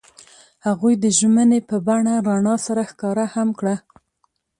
هغوی د ژمنې په بڼه رڼا سره ښکاره هم کړه.